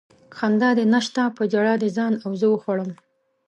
خندا دې نشته په ژړا دې ځان او زه وخوړم